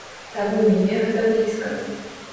Таму мне гэта блізка.